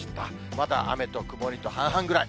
まだ雨と曇りと半々ぐらい。